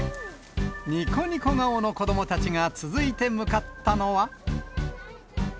にこにこ顔の子どもたちが続いて向かったのは。